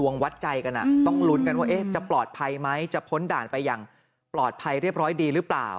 วัดใจกันต้องลุ้นกันว่าจะปลอดภัยไหมจะพ้นด่านไปอย่างปลอดภัยเรียบร้อยดีหรือเปล่า